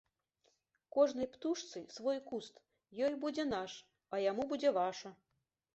Кожнай птушцы свой куст, ёй будзе наш, а яму будзе ваша.